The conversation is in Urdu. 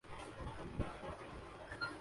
آخر ان کی کامیابی کی وجہ کیا تھی